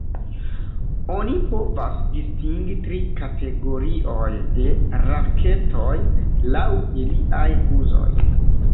Oni povas distingi tri kategorioj de raketoj laŭ iliaj uzoj.